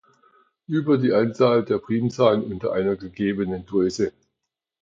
Ueber die Anzahl der Primzahlen unter einer gegebenen Grösse.